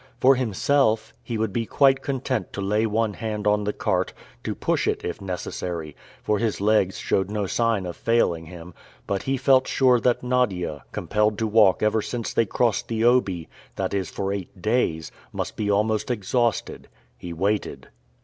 For himself, he would be quite content to lay one hand on the cart, to push it if necessary, for his legs showed no sign of failing him; but he felt sure that Nadia, compelled to walk ever since they crossed the Obi, that is, for eight days, must be almost exhausted. He waited.